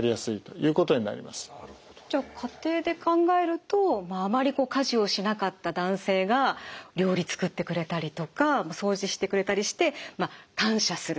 じゃあ家庭で考えるとあまりこう家事をしなかった男性が料理作ってくれたりとか掃除してくれたりしてまあ感謝する。